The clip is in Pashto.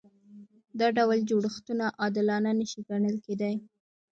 دا ډول جوړښتونه عادلانه نشي ګڼل کېدای.